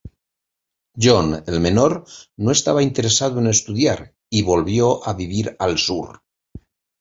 John, el menor, no estaba interesado en estudiar, y volvió a vivir al Sur.